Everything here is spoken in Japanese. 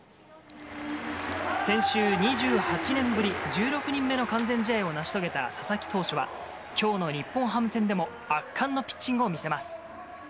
先週、２８年ぶり、１６人目の完全試合を成し遂げた佐々木投手は、きょうの日本ハム戦でも、圧巻のピッチングを見せます。